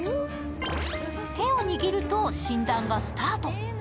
手を握ると診断がスタート。